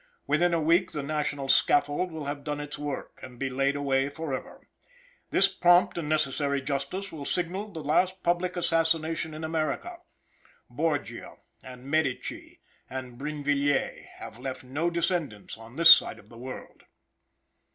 Within a week the national scaffold will have done its work, and be laid away forever. This prompt and necessary justice will signal the last public assassination in America. Borgia, and Medici, and Brinvilliers, have left no descendants on this side of the world.